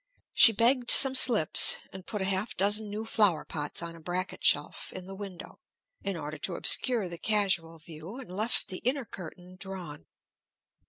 She begged some slips, and put a half dozen new flower pots on a bracket shelf in the window, in order to obscure the casual view, and left the inner curtain drawn.